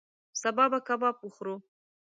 سبا به کباب وخورو